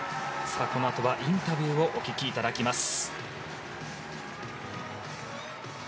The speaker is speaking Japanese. このあとはインタビューをお聞きいただきます。